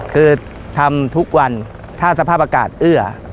คือทำทุกวันถ้าสภาพอากาศเอื้อ